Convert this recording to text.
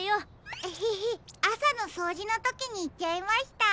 エヘヘあさのそうじのときにいっちゃいました。